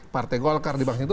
partai golkar di banking itu